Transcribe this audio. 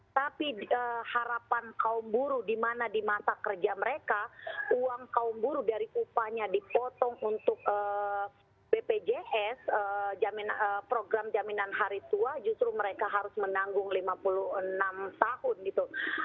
tapi harapan kaum buruh di mana di masa kerja mereka uang kaum buruh dari upahnya dipotong untuk bpjs program jaminan hari tua justru mereka harus menanggung lima puluh enam tahun gitu